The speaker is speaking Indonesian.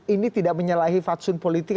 ini tidak menyalahi fatsun politik